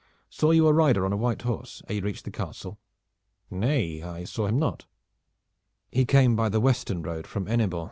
Saw you a rider on a white horse ere you reached the Castle?" "Nay, I saw him not?" "He came by the western road from Hennebon.